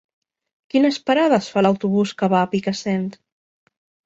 Quines parades fa l'autobús que va a Picassent?